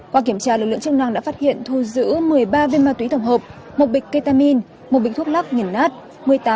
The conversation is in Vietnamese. qua kiểm tra lực lượng chức năng đã phát hiện thu giữ một mươi ba viên ma túy tổng hợp một bịch ketamin một bịch thuốc lắc nghiền nát